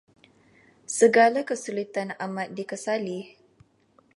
Segala kesulitan amat dikesali.